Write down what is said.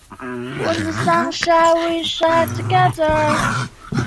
只有符合奥林匹克宪章的运动员才能够参加本届东京奥运。